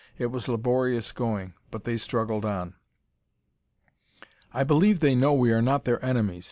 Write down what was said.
It was laborious going but they struggled on. "I believe they know we are not their enemies!"